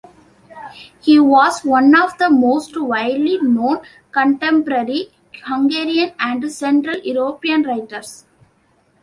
He was one of the most widely known contemporary Hungarian and Central European writers.